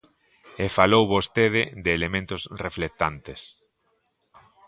E falou vostede de elementos reflectantes.